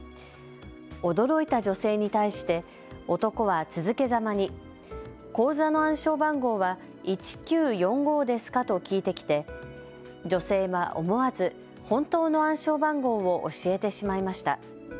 驚いた女性に対して男は続けざまに口座の暗証番号は１９４５ですかと聞いてきて女性は思わず本当の暗証番号を教えてしまいました。